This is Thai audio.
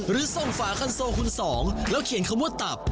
หรือส่งฝาคันโซคุณสองแล้วเขียนคำว่าตับ